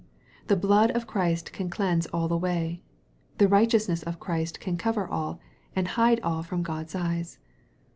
The blood of Christ can cleanse all away. The righteousness of Christ can cover all, and hide all from God's eyes.